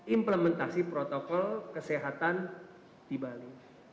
implementasi protokol kesehatan di bali